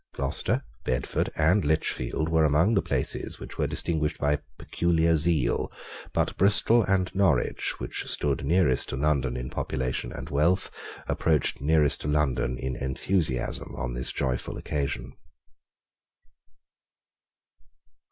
Gloucester, Bedford, and Lichfield, were among the places which were distinguished by peculiar zeal: but Bristol and Norwich, which stood nearest to London in population and wealth, approached nearest to London in enthusiasm on this joyful occasion.